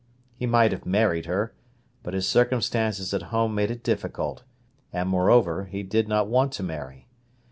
He might have married her; but his circumstances at home made it difficult, and, moreover, he did not want to marry.